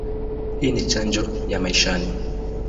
Hii ni chanjo ya maishani.